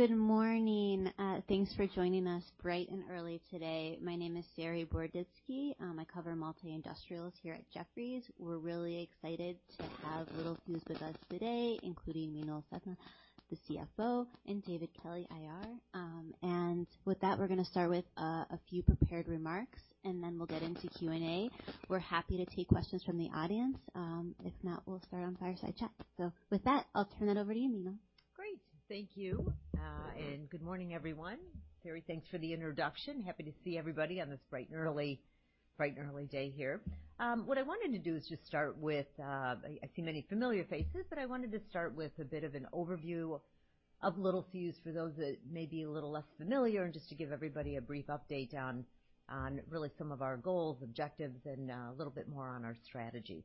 Good morning. Thanks for joining us bright and early today. My name is Saree Boroditsky. I cover Multi-Industrials here at Jefferies. We're really excited to have Littelfuse with us today, including Meenal Sethna, the CFO, and David Kelly, IR. And with that, we're gonna start with a few prepared remarks, and then we'll get into Q&A. We're happy to take questions from the audience. If not, we'll start on fireside chat. So with that, I'll turn it over to you, Meenal. Great. Thank you. And good morning, everyone. Saree, thanks for the introduction. Happy to see everybody on this bright and early day here. What I wanted to do is just start with. I see many familiar faces, but I wanted to start with a bit of an overview of Littelfuse for those that may be a little less familiar, and just to give everybody a brief update on really some of our goals, objectives, and a little bit more on our strategy.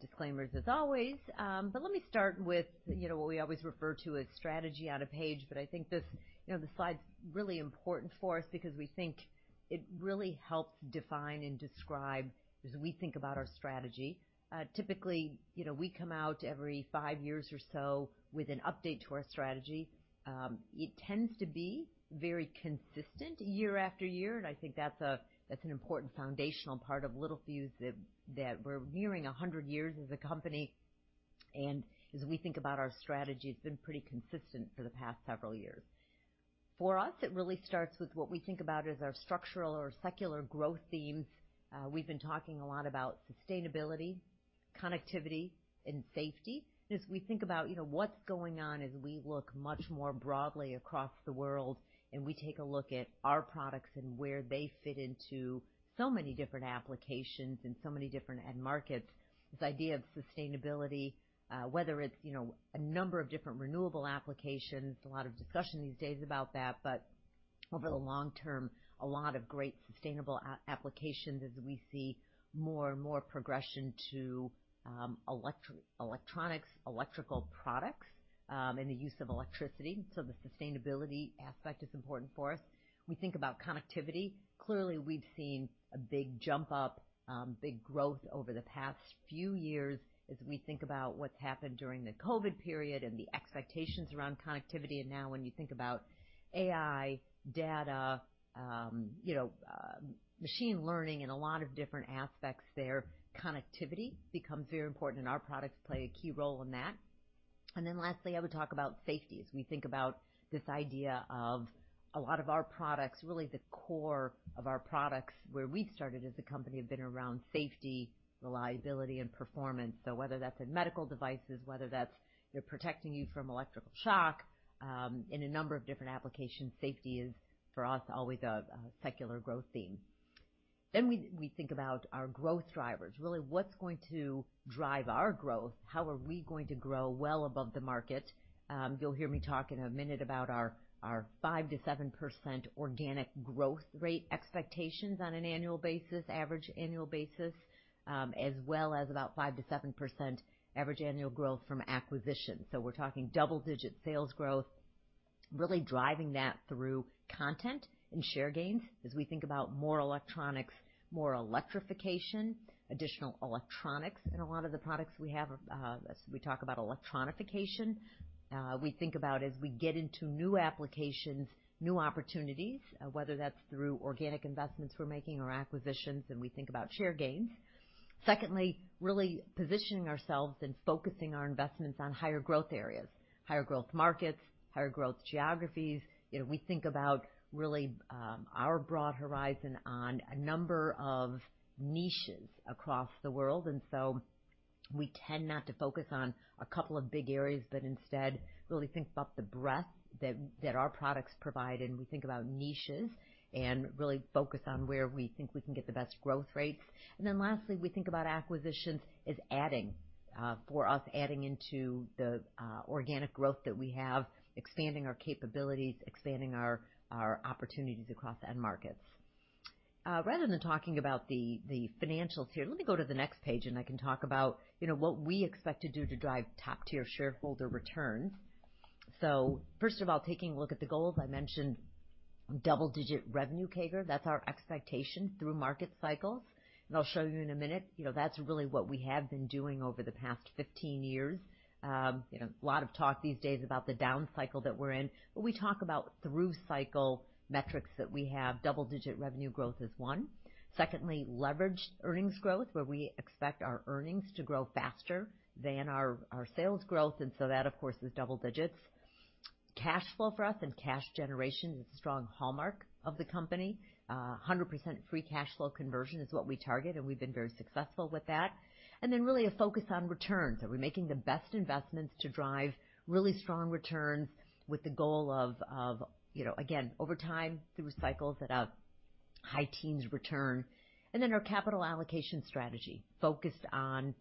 Disclaimers as always. But let me start with, you know, what we always refer to as strategy on a page, but I think this, you know, the slide's really important for us because we think it really helps define and describe as we think about our strategy. Typically, you know, we come out every five years or so with an update to our strategy. It tends to be very consistent year after year, and I think that's an important foundational part of Littelfuse, that we're nearing a hundred years as a company, and as we think about our strategy, it's been pretty consistent for the past several years. For us, it really starts with what we think about as our structural or secular growth themes. We've been talking a lot about sustainability, connectivity, and safety. As we think about, you know, what's going on as we look much more broadly across the world, and we take a look at our products and where they fit into so many different applications and so many different end markets, this idea of sustainability, whether it's, you know, a number of different renewable applications, a lot of discussion these days about that, but over the long term, a lot of great sustainable applications as we see more and more progression to electronics, electrical products, and the use of electricity. So the sustainability aspect is important for us. We think about connectivity. Clearly, we've seen a big jump up, big growth over the past few years as we think about what's happened during the COVID period and the expectations around connectivity. Now when you think about AI, data, you know, machine learning, and a lot of different aspects there, connectivity becomes very important, and our products play a key role in that. Then lastly, I would talk about safety. As we think about this idea of a lot of our products, really the core of our products, where we started as a company, have been around safety, reliability, and performance. So whether that's in medical devices, whether that's, you know, protecting you from electrical shock, in a number of different applications, safety is, for us, always a secular growth theme. Then we think about our growth drivers. Really, what's going to drive our growth? How are we going to grow well above the market? You'll hear me talk in a minute about our five to seven percent organic growth rate expectations on an annual basis, average annual basis, as well as about 5-7% average annual growth from acquisition. We're talking double-digit sales growth, really driving that through content and share gains, as we think about more electronics, more electrification, additional electronics in a lot of the products we have, as we talk about electronification. We think about as we get into new applications, new opportunities, whether that's through organic investments we're making or acquisitions, and we think about share gains. Secondly, really positioning ourselves and focusing our investments on higher growth areas, higher growth markets, higher growth geographies. You know, we think about really our broad horizon on a number of niches across the world, and so we tend not to focus on a couple of big areas, but instead really think about the breadth that our products provide, and we think about niches and really focus on where we think we can get the best growth rates. And then lastly, we think about acquisitions as adding for us, adding into the organic growth that we have, expanding our capabilities, expanding our opportunities across end markets. Rather than talking about the financials here, let me go to the next page, and I can talk about, you know, what we expect to do to drive top-tier shareholder returns, so first of all, taking a look at the goals, I mentioned double-digit revenue CAGR. That's our expectation through market cycles. And I'll show you in a minute, you know, that's really what we have been doing over the past fifteen years. You know, a lot of talk these days about the down cycle that we're in, but we talk about through cycle metrics that we have. Double-digit revenue growth is one. Secondly, leverage earnings growth, where we expect our earnings to grow faster than our sales growth, and so that, of course, is double digits. Cash flow for us and cash generation is a strong hallmark of the company. 100% free cash flow conversion is what we target, and we've been very successful with that. And then really a focus on returns. Are we making the best investments to drive really strong returns with the goal of, you know, again, over time, through cycles, at a high teens return? Our capital allocation strategy, focused on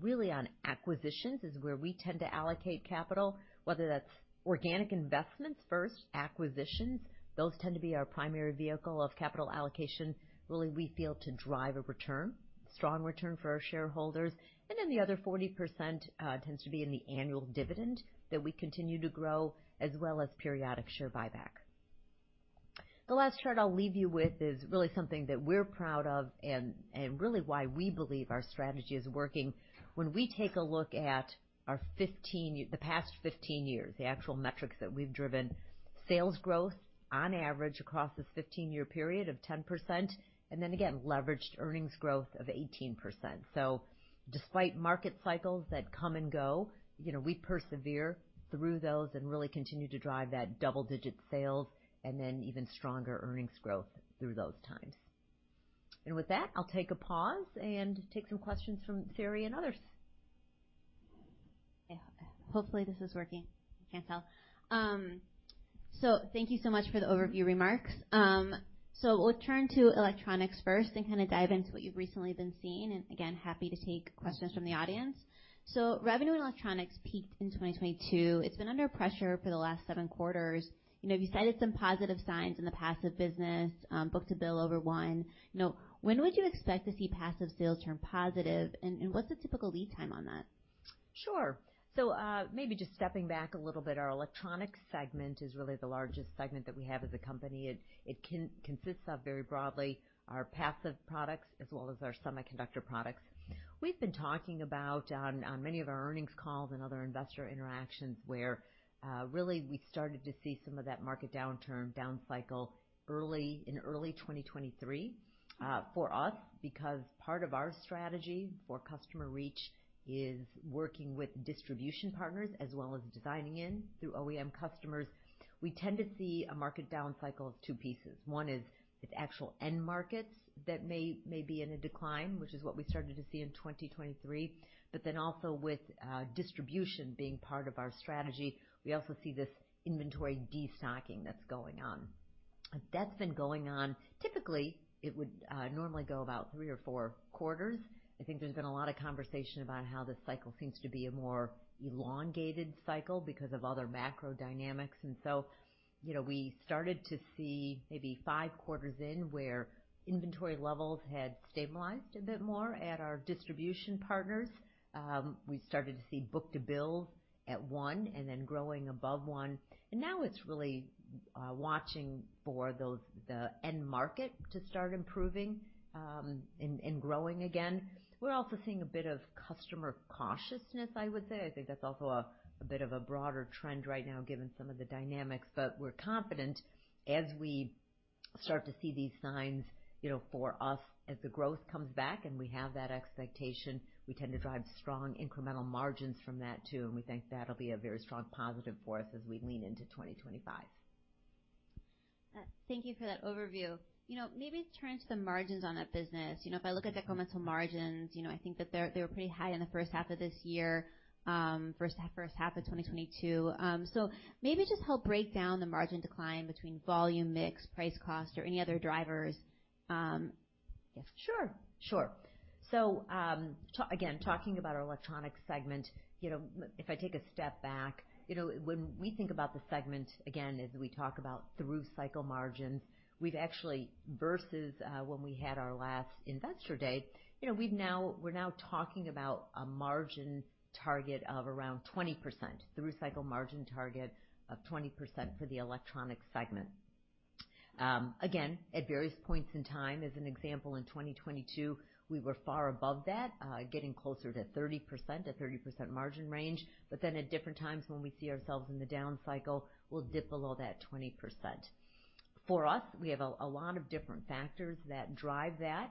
really on acquisitions, is where we tend to allocate capital, whether that's organic investments first, acquisitions. Those tend to be our primary vehicle of capital allocation, really, we feel, to drive a return, strong return for our shareholders. Then the other 40% tends to be in the annual dividend that we continue to grow, as well as periodic share buyback. The last chart I'll leave you with is really something that we're proud of and really why we believe our strategy is working. When we take a look at our fifteen years, the past fifteen years, the actual metrics that we've driven, sales growth on average across this fifteen-year period of 10%, and then again, leveraged earnings growth of 18%. So despite market cycles that come and go, you know, we persevere through those and really continue to drive that double-digit sales and then even stronger earnings growth through those times. And with that, I'll take a pause and take some questions from Saree and others. Hopefully, this is working. I can't tell. So thank you so much for the overview remarks. So we'll turn to electronics first and kind of dive into what you've recently been seeing. And again, happy to take questions from the audience. So revenue in electronics peaked in 2022. It's been under pressure for the last seven quarters. You know, you cited some positive signs in the passive business, book-to-bill over one. You know, when would you expect to see passive sales turn positive, and what's the typical lead time on that? Sure, so maybe just stepping back a little bit, our electronics segment is really the largest segment that we have as a company. It consists of, very broadly, our passive products as well as our semiconductor products. We've been talking about on many of our earnings calls and other investor interactions, where really we started to see some of that market downturn, down cycle early in 2023, for us, because part of our strategy for customer reach is working with distribution partners, as well as designing in through OEM customers. We tend to see a market down cycle of two pieces. One is its actual end markets that may be in a decline, which is what we started to see in 2023, but then also with distribution being part of our strategy, we also see this inventory destocking that's going on. That's been going on. Typically, it would normally go about three or four quarters. I think there's been a lot of conversation about how this cycle seems to be a more elongated cycle because of other macro dynamics. And so, you know, we started to see maybe five quarters in, where inventory levels had stabilized a bit more at our distribution partners. We started to see book-to-bill at one, and then growing above one, and now it's really watching for the end market to start improving, and growing again. We're also seeing a bit of customer cautiousness, I would say. I think that's also a bit of a broader trend right now, given some of the dynamics, but we're confident as we start to see these signs, you know, for us, as the growth comes back and we have that expectation, we tend to drive strong incremental margins from that, too, and we think that'll be a very strong positive for us as we lean into 2025. Thank you for that overview. You know, maybe turn to the margins on that business. You know, if I look at incremental margins, you know, I think that they're pretty high in the first half of this year, first half of 2022. So maybe just help break down the margin decline between volume, mix, price, cost, or any other drivers, yes. Sure, sure. So, again, talking about our electronics segment, you know, if I take a step back, you know, when we think about the segment again, as we talk about through-cycle margins, we've actually, versus, when we had our last investor date, you know, we're now talking about a margin target of around 20%, through-cycle margin target of 20% for the electronics segment. Again, at various points in time, as an example, in 2022, we were far above that, getting closer to 30%, a 30% margin range. But then at different times when we see ourselves in the down cycle, we'll dip below that 20%. For us, we have a lot of different factors that drive that.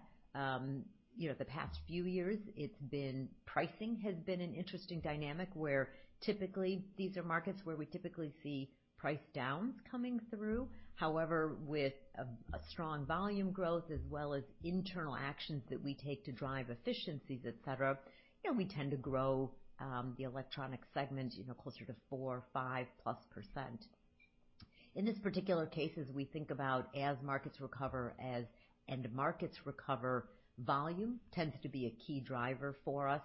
You know, the past few years, it's been... Pricing has been an interesting dynamic, where typically, these are markets where we typically see price downs coming through. However, with a strong volume growth as well as internal actions that we take to drive efficiencies, et cetera, you know, we tend to grow the electronic segment, you know, closer to 4-5% plus. In this particular cases, we think about as markets recover, as end markets recover, volume tends to be a key driver for us.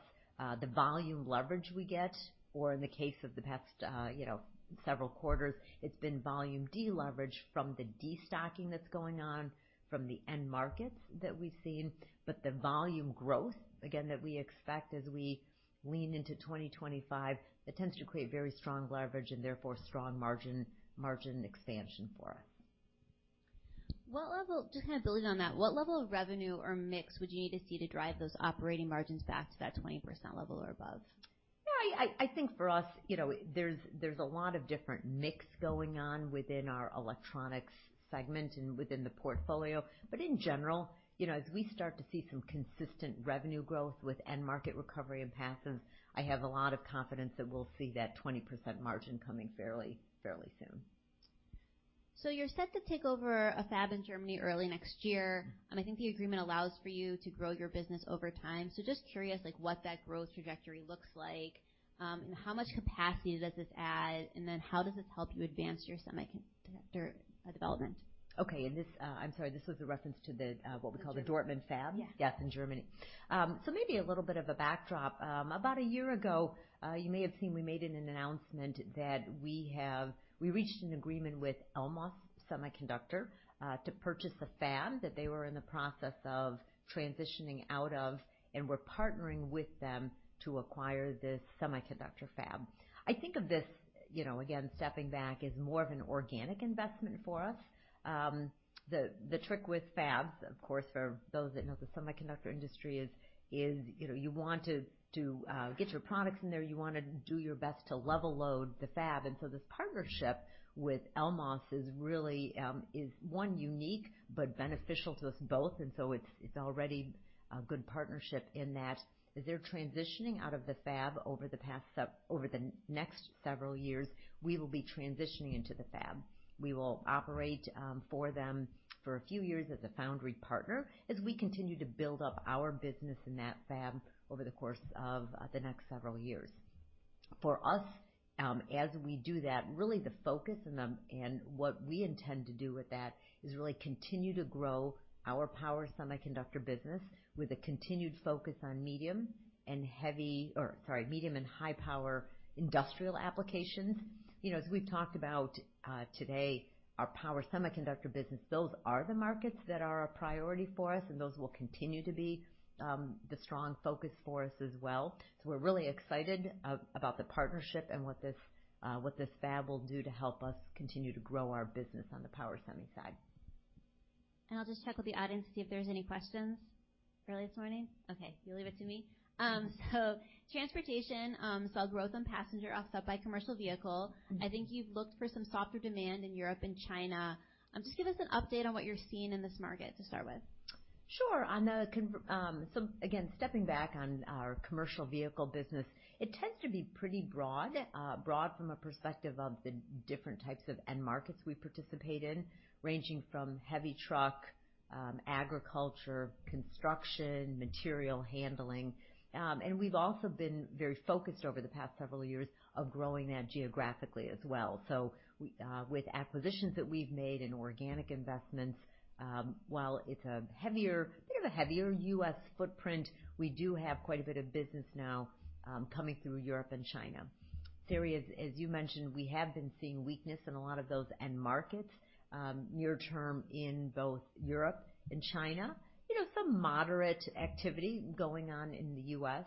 The volume leverage we get, or in the case of the past, you know, several quarters, it's been volume deleverage from the destocking that's going on, from the end markets that we've seen. But the volume growth, again, that we expect as we lean into 2025, that tends to create very strong leverage and therefore strong margin expansion for us. Just kind of building on that, what level of revenue or mix would you need to see to drive those operating margins back to that 20% level or above? Yeah, I think for us, you know, there's a lot of different mix going on within our electronics segment and within the portfolio. But in general, you know, as we start to see some consistent revenue growth with end market recovery and passives, I have a lot of confidence that we'll see that 20% margin coming fairly soon. So you're set to take over a fab in Germany early next year, and I think the agreement allows for you to grow your business over time. So just curious, like, what that growth trajectory looks like, and how much capacity does this add, and then how does this help you advance your semiconductor development? Okay. And this, I'm sorry, this was a reference to what we call the Dortmund fab. Yeah. Yes, in Germany, so maybe a little bit of a backdrop. About a year ago, you may have seen we made an announcement that we reached an agreement with Elmos Semiconductor to purchase a fab that they were in the process of transitioning out of, and we're partnering with them to acquire this semiconductor fab. I think of this, you know, again, stepping back is more of an organic investment for us. The trick with fabs, of course, for those that know the semiconductor industry is, you know, you want to get your products in there, you want to do your best to level load the fab, and so this partnership with Elmos is really one, unique, but beneficial to us both. And so it's already a good partnership in that as they're transitioning out of the fab over the next several years, we will be transitioning into the fab. We will operate for them for a few years as a foundry partner as we continue to build up our business in that fab over the course of the next several years. For us, as we do that, really the focus and what we intend to do with that is really continue to grow our power semiconductor business with a continued focus on medium and high power industrial applications. You know, as we've talked about today, our power semiconductor business, those are the markets that are a priority for us, and those will continue to be the strong focus for us as well. So we're really excited about the partnership and what this fab will do to help us continue to grow our business on the power semi side. I'll just check with the audience to see if there's any questions early this morning. Okay, you leave it to me? So transportation saw growth in passenger offset by commercial vehicle. I think you've looked for some softer demand in Europe and China. Just give us an update on what you're seeing in this market to start with. Sure. So again, stepping back on our commercial vehicle business, it tends to be pretty broad, broad from a perspective of the different types of end markets we participate in, ranging from heavy truck, agriculture, construction, material handling. And we've also been very focused over the past several years of growing that geographically as well. So with acquisitions that we've made in organic investments, while it's a heavier, bit of a heavier U.S. footprint, we do have quite a bit of business now, coming through Europe and China. Saree, as you mentioned, we have been seeing weakness in a lot of those end markets, near term in both Europe and China. You know, some moderate activity going on in the U.S.,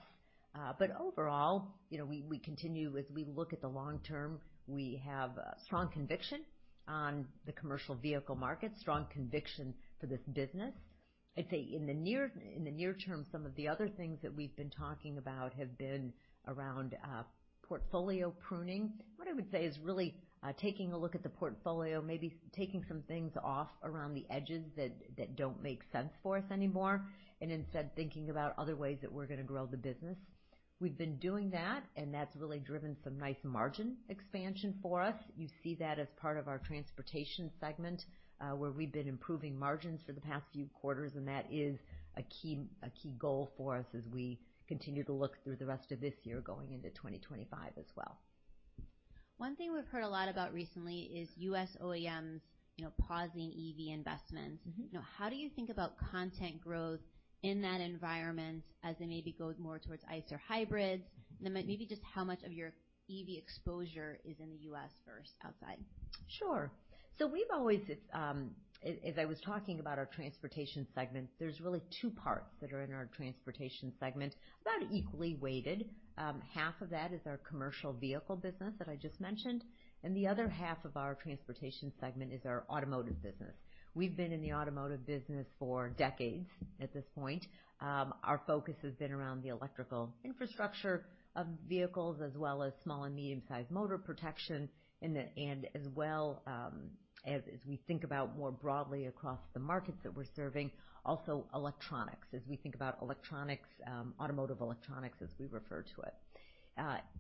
but overall, you know, we continue. We look at the long term. We have a strong conviction on the commercial vehicle market, strong conviction for this business. I'd say in the near term, some of the other things that we've been talking about have been around portfolio pruning. What I would say is really taking a look at the portfolio, maybe taking some things off around the edges that don't make sense for us anymore, and instead, thinking about other ways that we're going to grow the business. We've been doing that, and that's really driven some nice margin expansion for us. You see that as part of our transportation segment, where we've been improving margins for the past few quarters, and that is a key goal for us as we continue to look through the rest of this year, going into 2025 as well. One thing we've heard a lot about recently is U.S. OEMs, you know, pausing EV investments. Now, how do you think about content growth in that environment as it maybe goes more towards ICE or hybrids? Then maybe just how much of your EV exposure is in the U.S. versus outside? Sure. So we've always, as I was talking about our transportation segment, there's really two parts that are in our transportation segment, about equally weighted. Half of that is our commercial vehicle business that I just mentioned, and the other half of our transportation segment is our automotive business. We've been in the automotive business for decades at this point. Our focus has been around the electrical infrastructure of vehicles, as well as small and medium-sized motor protection, and as well, as we think about more broadly across the markets that we're serving, also electronics, as we think about electronics, automotive electronics, as we refer to it.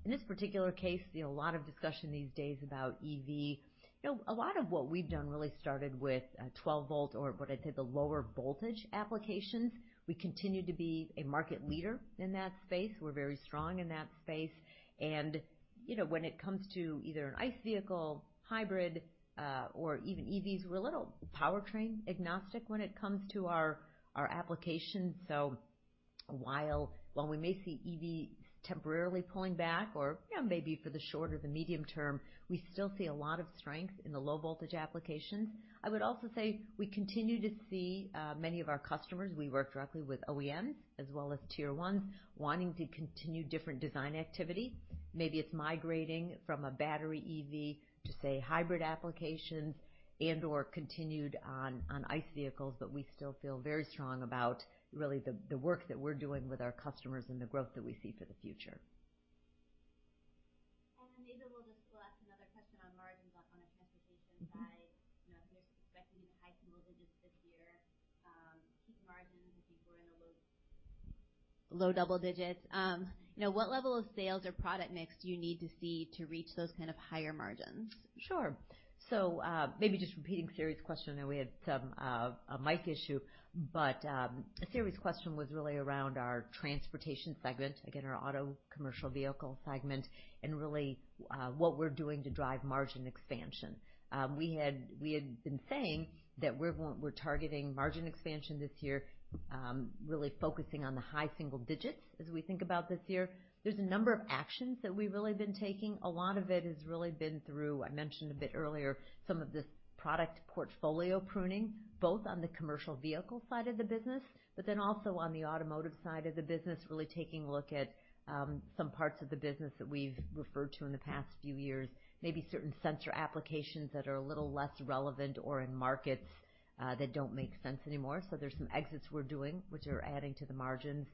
In this particular case, we see a lot of discussion these days about EV. You know, a lot of what we've done really started with a twelve-volt or what I'd say, the lower voltage applications. We continue to be a market leader in that space. We're very strong in that space, and, you know, when it comes to either an ICE vehicle, hybrid, or even EVs, we're a little powertrain agnostic when it comes to our applications. So while we may see EVs temporarily pulling back or, you know, maybe for the short or the medium term, we still see a lot of strength in the low-voltage applications. I would also say we continue to see many of our customers, we work directly with OEMs as well as Tier 1s, wanting to continue different design activity. Maybe it's migrating from a battery EV to, say, hybrid applications and/or continued on ICE vehicles, but we still feel very strong about really the work that we're doing with our customers and the growth that we see for the future. Then, Meenal, we'll just ask another question on margins on a transportation side. You know, if you're expecting in high single digits this year, keep margins, I think we're in the low, low double digits. You know, what level of sales or product mix do you need to see to reach those kind of higher margins? Sure. So, maybe just repeating Saree's question, and we had some a mic issue, but Saree's question was really around our transportation segment, again, our auto commercial vehicle segment, and really what we're doing to drive margin expansion. We had been saying that we're targeting margin expansion this year, really focusing on the high single digits as we think about this year. There's a number of actions that we've really been taking. A lot of it has really been through. I mentioned a bit earlier some of this product portfolio pruning, both on the commercial vehicle side of the business, but then also on the automotive side of the business, really taking a look at some parts of the business that we've referred to in the past few years, maybe certain sensor applications that are a little less relevant or in markets that don't make sense anymore. So there's some exits we're doing, which are adding to the margins.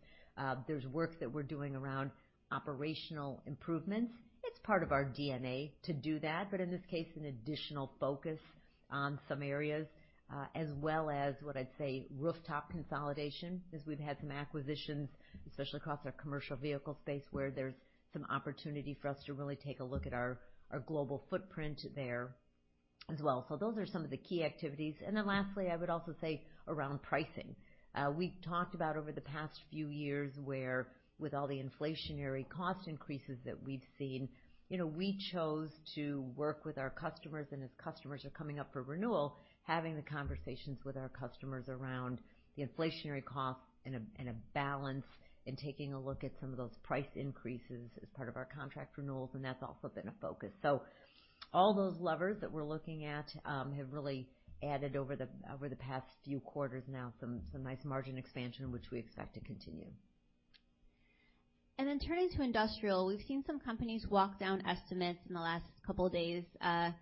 There's work that we're doing around operational improvements. It's part of our DNA to do that, but in this case, an additional focus on some areas, as well as what I'd say, rooftop consolidation, as we've had some acquisitions, especially across our commercial vehicle space, where there's some opportunity for us to really take a look at our global footprint there as well. So those are some of the key activities. Then lastly, I would also say around pricing. We talked about over the past few years, where with all the inflationary cost increases that we've seen, you know, we chose to work with our customers, and as customers are coming up for renewal, having the conversations with our customers around the inflationary costs and a balance in taking a look at some of those price increases as part of our contract renewals, and that's also been a focus. So all those levers that we're looking at have really added over the past few quarters now some nice margin expansion, which we expect to continue. And then turning to industrial, we've seen some companies walk down estimates in the last couple of days at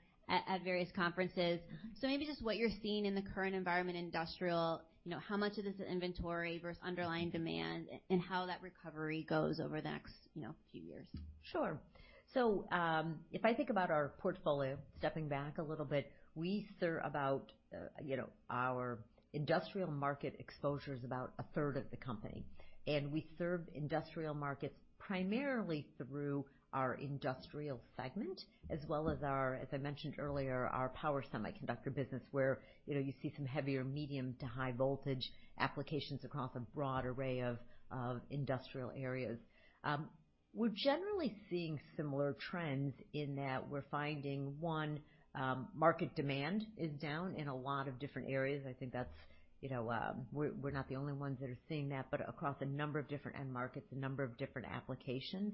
various conferences. So maybe just what you're seeing in the current environment in industrial, you know, how much of this is inventory versus underlying demand, and how that recovery goes over the next, you know, few years? Sure. So, if I think about our portfolio, stepping back a little bit, we serve about, you know, our industrial market exposure is about a third of the company, and we serve industrial markets primarily through our industrial segment, as well as our, as I mentioned earlier, our power semiconductor business, where, you know, you see some heavier medium to high voltage applications across a broad array of industrial areas. We're generally seeing similar trends in that we're finding, one, market demand is down in a lot of different areas. I think that's, you know... We're not the only ones that are seeing that, but across a number of different end markets, a number of different applications.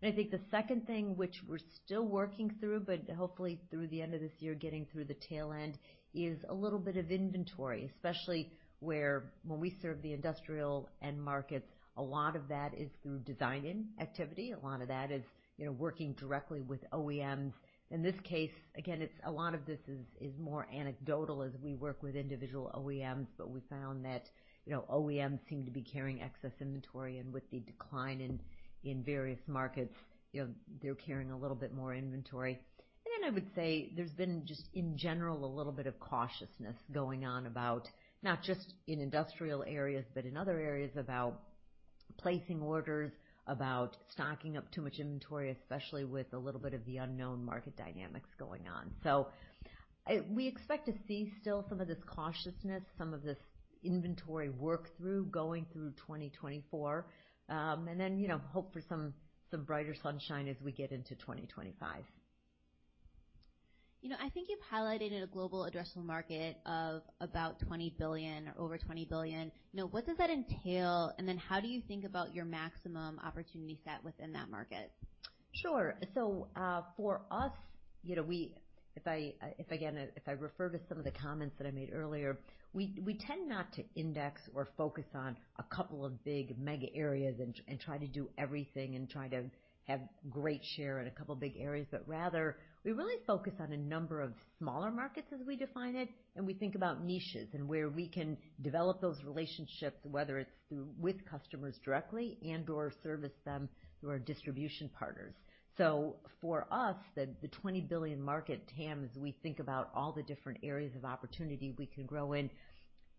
And I think the second thing, which we're still working through, but hopefully through the end of this year, getting through the tail end, is a little bit of inventory, especially where when we serve the industrial end markets, a lot of that is through design-in activity. A lot of that is, you know, working directly with OEMs. In this case, again, it's a lot of this is more anecdotal as we work with individual OEMs, but we found that, you know, OEMs seem to be carrying excess inventory, and with the decline in various markets, you know, they're carrying a little bit more inventory. And then I would say there's been just, in general, a little bit of cautiousness going on about not just in industrial areas, but in other areas about placing orders, about stocking up too much inventory, especially with a little bit of the unknown market dynamics going on. So, we expect to see still some of this cautiousness, some of this inventory work-through going through 2024, and then, you know, hope for some, some brighter sunshine as we get into 2025. You know, I think you've highlighted a global addressable market of about $20 billion or over $20 billion. Now, what does that entail, and then how do you think about your maximum opportunity set within that market? Sure. So, for us, you know, if I, again, if I refer to some of the comments that I made earlier, we tend not to index or focus on a couple of big mega areas and try to do everything and try to have great share in a couple of big areas, but rather, we really focus on a number of smaller markets as we define it, and we think about niches and where we can develop those relationships, whether it's through with customers directly and/or service them through our distribution partners. So for us, the 20 billion market TAM, as we think about all the different areas of opportunity we can grow in,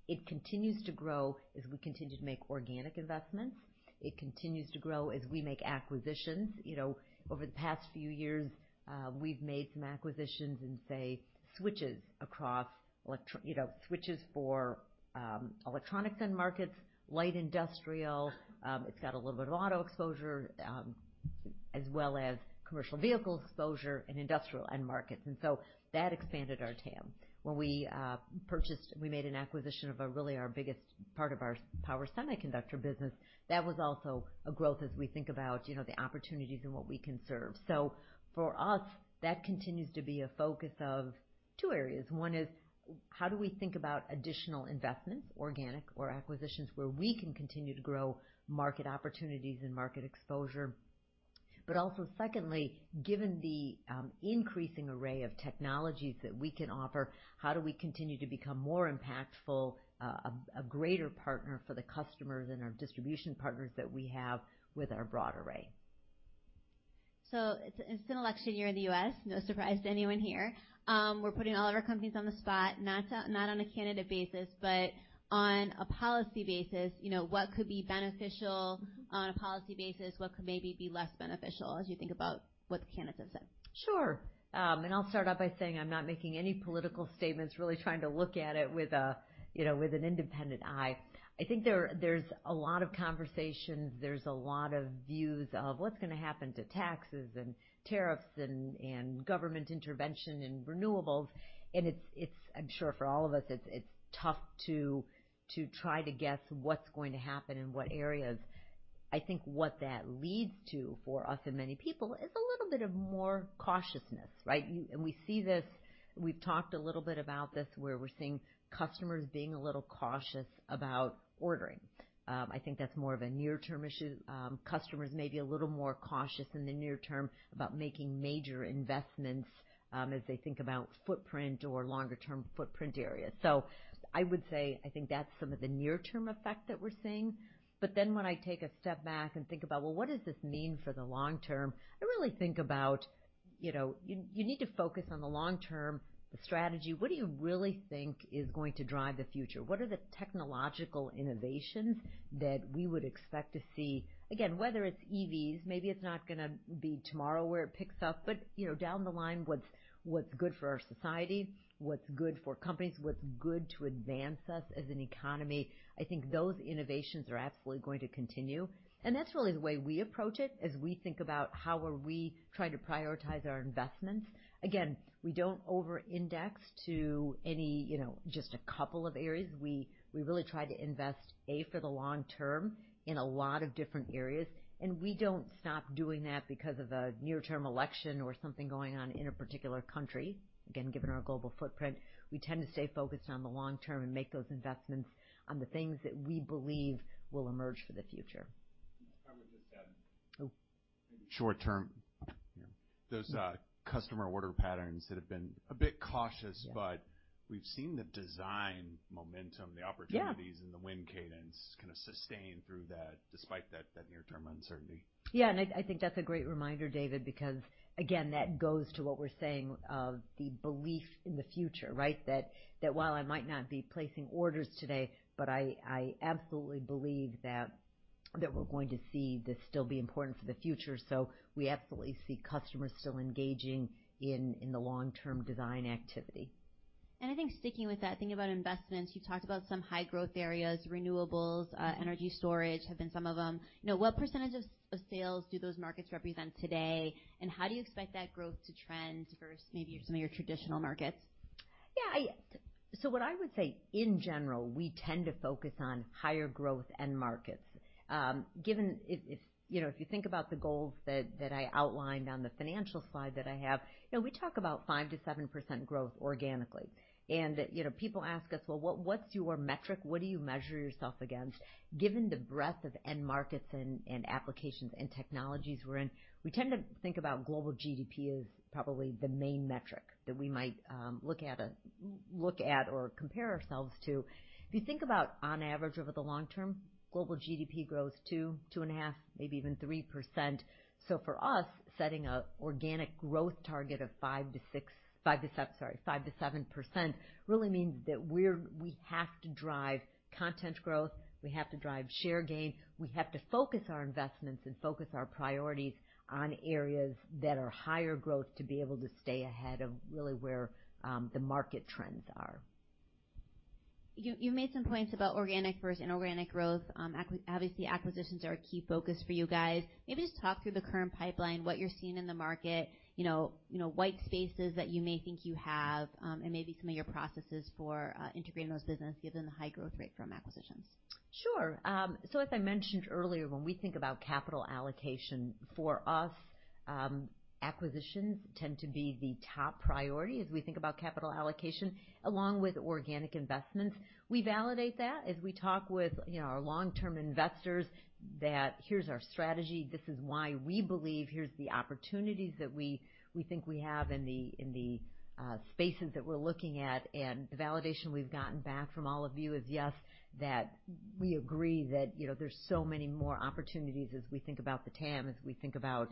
it continues to grow as we continue to make organic investments. It continues to grow as we make acquisitions. You know, over the past few years, we've made some acquisitions in, say, switches across you know, switches for electronics end markets, light industrial, it's got a little bit of auto exposure, as well as commercial vehicle exposure and industrial end markets, and so that expanded our TAM. When we made an acquisition of really our biggest part of our power semiconductor business, that was also a growth as we think about, you know, the opportunities and what we can serve. So for us, that continues to be a focus of two areas. One is: how do we think about additional investments, organic or acquisitions, where we can continue to grow market opportunities and market exposure? But also, secondly, given the increasing array of technologies that we can offer, how do we continue to become more impactful, a greater partner for the customers and our distribution partners that we have with our broad array? So it's an election year in the U.S., no surprise to anyone here. We're putting all of our companies on the spot, not on a candidate basis, but on a policy basis. You know, what could be beneficial on a policy basis? What could maybe be less beneficial as you think about what the candidates have said? Sure. And I'll start out by saying I'm not making any political statements, really trying to look at it with a, you know, with an independent eye. I think there, there's a lot of conversations, there's a lot of views of what's gonna happen to taxes and tariffs and, and government intervention in renewables. And it's, it's, I'm sure for all of us, it's, it's tough to, to try to guess what's going to happen in what areas. I think what that leads to for us and many people is a little bit of more cautiousness, right? And we see this. We've talked a little bit about this, where we're seeing customers being a little cautious about ordering. I think that's more of a near-term issue. Customers may be a little more cautious in the near term about making major investments, as they think about footprint or longer-term footprint area. So I would say I think that's some of the near-term effect that we're seeing. But then when I take a step back and think about, well, what does this mean for the long term? I really think about. You know, you need to focus on the long-term strategy. What do you really think is going to drive the future? What are the technological innovations that we would expect to see? Again, whether it's EVs, maybe it's not gonna be tomorrow where it picks up, but, you know, down the line, what's good for our society, what's good for companies, what's good to advance us as an economy, I think those innovations are absolutely going to continue. That's really the way we approach it, as we think about how are we trying to prioritize our investments. Again, we don't over-index to any, you know, just a couple of areas. We really try to invest, A, for the long term in a lot of different areas, and we don't stop doing that because of a near-term election or something going on in a particular country. Again, given our global footprint, we tend to stay focused on the long term and make those investments on the things that we believe will emerge for the future. I would just add, short term. Those, customer order patterns that have been a bit cautious- Yeah. but we've seen the design momentum, the opportunities. Yeah. and the win cadence kind of sustain through that, despite that, that near-term uncertainty. Yeah, and I think that's a great reminder, David, because, again, that goes to what we're saying of the belief in the future, right? That while I might not be placing orders today, but I absolutely believe that we're going to see this still be important for the future. So we absolutely see customers still engaging in the long-term design activity. And I think sticking with that, thinking about investments, you talked about some high-growth areas, renewables, energy storage have been some of them. You know, what percentage of sales do those markets represent today, and how do you expect that growth to trend versus maybe some of your traditional markets? Yeah, so what I would say, in general, we tend to focus on higher growth end markets. You know, if you think about the goals that I outlined on the financial slide that I have, you know, we talk about five to seven% growth organically. And, you know, people ask us: "Well, what's your metric? What do you measure yourself against?" Given the breadth of end markets and applications and technologies we're in, we tend to think about global GDP as probably the main metric that we might look at or compare ourselves to. If you think about on average, over the long term, global GDP grows two, two and a half, maybe even 3%. So for us, setting an organic growth target of 5%-6%, 5%-7%, sorry, 5%-7%, really means that we have to drive content growth, we have to drive share gain, we have to focus our investments and focus our priorities on areas that are higher growth to be able to stay ahead of really where the market trends are. You made some points about organic versus inorganic growth. Obviously, acquisitions are a key focus for you guys. Maybe just talk through the current pipeline, what you're seeing in the market, you know, white spaces that you may think you have, and maybe some of your processes for integrating those businesses, given the high growth rate from acquisitions. Sure. So as I mentioned earlier, when we think about capital allocation, for us, acquisitions tend to be the top priority as we think about capital allocation, along with organic investments. We validate that as we talk with, you know, our long-term investors, that here's our strategy, this is why we believe, here's the opportunities that we think we have in the spaces that we're looking at, and the validation we've gotten back from all of you is, yes, that we agree that, you know, there's so many more opportunities as we think about the TAM, as we think about,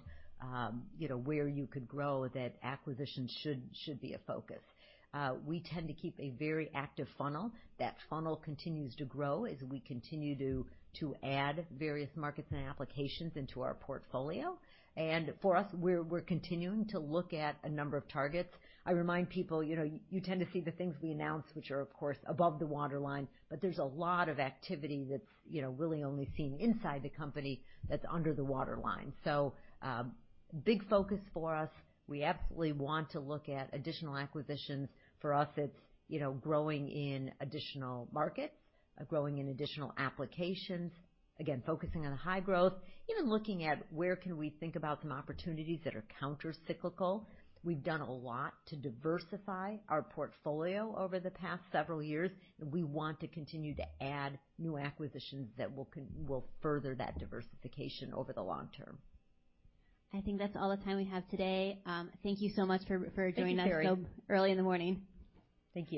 you know, where you could grow, that acquisitions should be a focus. We tend to keep a very active funnel. That funnel continues to grow as we continue to add various markets and applications into our portfolio. And for us, we're continuing to look at a number of targets. I remind people, you know, you tend to see the things we announce, which are, of course, above the waterline, but there's a lot of activity that's, you know, really only seen inside the company that's under the waterline. So, big focus for us. We absolutely want to look at additional acquisitions. For us, it's, you know, growing in additional markets, growing in additional applications. Again, focusing on high growth, even looking at where can we think about some opportunities that are countercyclical. We've done a lot to diversify our portfolio over the past several years, and we want to continue to add new acquisitions that will further that diversification over the long term. I think that's all the time we have today. Thank you so much for joining us- Thank you, Saree. so early in the morning. Thank you.